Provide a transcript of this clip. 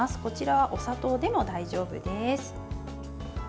こちらはお砂糖でも大丈夫です。